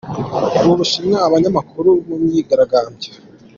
U Bushinwa Abanyamakuru mu myigaragambyo